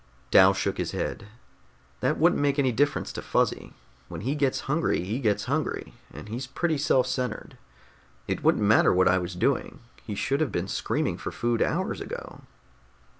Dal shook his head. "That wouldn't make any difference to Fuzzy. When he gets hungry, he gets hungry, and he's pretty self centered. It wouldn't matter what I was doing, he should have been screaming for food hours ago."